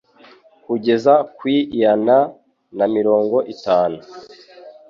kugeza kw'iana namirongo itanu